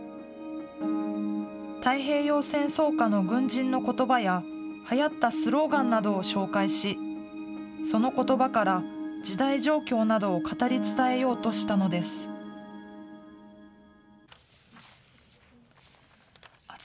太平洋戦争下の軍人のことばや、はやったスローガンなどを紹介し、そのことばから、時代状況などを語り伝えようとしたのです。